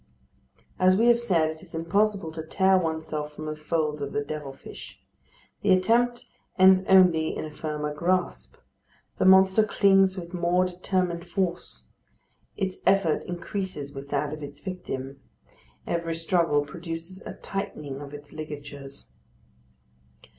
As we have said, it is impossible to tear oneself from the folds of the devil fish. The attempt ends only in a firmer grasp. The monster clings with more determined force. Its effort increases with that of its victim; every struggle produces a tightening of its ligatures.